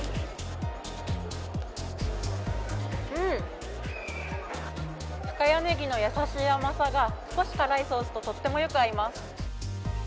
うん、深谷ネギの優しい甘さが、少し辛いソースととってもよく合います。